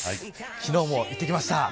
昨日も行ってきました。